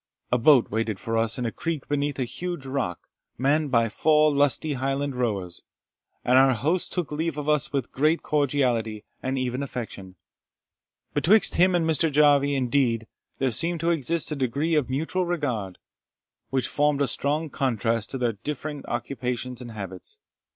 A boat waited for us in a creek beneath a huge rock, manned by four lusty Highland rowers; and our host took leave of us with great cordiality, and even affection. Betwixt him and Mr. Jarvie, indeed, there seemed to exist a degree of mutual regard, which formed a strong contrast to their different occupations and habits.